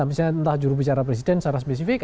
misalnya entah jurubicara presiden secara spesifik